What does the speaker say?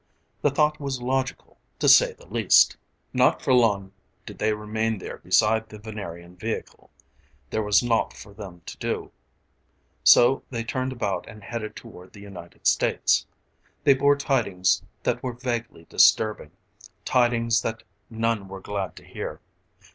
The thought was logical, to say the least. Not for long did they remain there beside the Venerian vehicle; there was naught for them to do, so they turned about and headed toward the United States. They bore tidings that were vaguely disturbing, tidings that none were glad to hear.